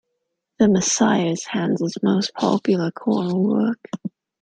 The Messiah is Handel's most popular choral work